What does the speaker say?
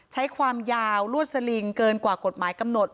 ใช้ความยาวลวดสลิงเกินกว่ากฎหมายกำหนด